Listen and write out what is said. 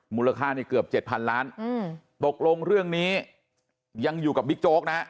มูลค่านี่เกือบเจ็ดพันล้านตกลงเรื่องนี้ยังอยู่กับบิ๊กโจ๊กนะ